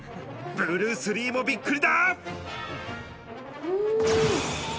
ブルース・リーも、びっくりだ。